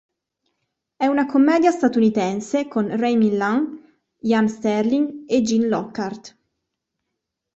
È una commedia statunitense con Ray Milland, Jan Sterling e Gene Lockhart.